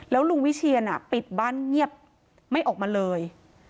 แล้วลุงวิเชียนปิดบ้านเงียบไม่ออกมาเลย